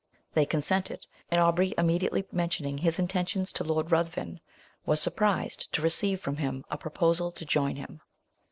They consented: and Aubrey immediately mentioning his intentions to Lord Ruthven, was surprised to receive from him a proposal to join him.